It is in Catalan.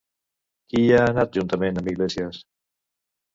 Qui hi ha anat juntament amb Iglesias?